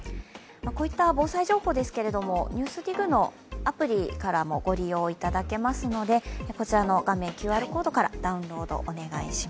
こういった防災情報ですけれども「ＮＥＷＳＤＩＧ」のアプリからもご利用いただけますので画面、ＱＲコードからご利用ください